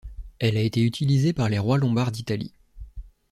Elle a été utilisée par les rois lombards d'Italie.